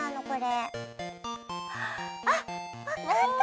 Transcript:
あっわかった。